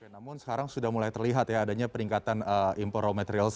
namun sekarang sudah mulai terlihat adanya peningkatan import raw materials